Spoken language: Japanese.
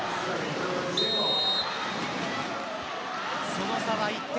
その差は１点。